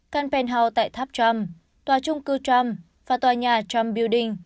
căn penthouse tại tháp trump tòa chung cư trump và tòa nhà trump building